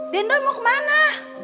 din boy mau kemana